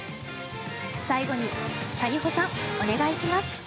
最後に谷保さん、お願いします。